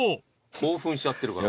興奮しちゃってるから。